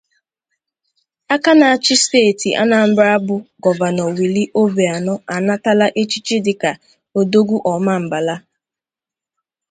"Aka na-achị steeti Anambra bụ gọvanọ Willie Obianọ anatala echichi dịka "Odogwu Ọmambala"